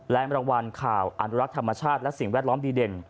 และรางวัลข่าวอนุรักษ์ธรรมชาติและสิ่งแวดล้อมดีเด่น